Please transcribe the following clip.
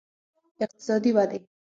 اقتصادي ودې